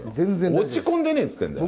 落ち込んでねえって言ってんだよ。